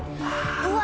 うわ！